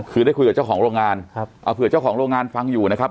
คือได้คุยกับเจ้าของโรงงานครับเอาเผื่อเจ้าของโรงงานฟังอยู่นะครับ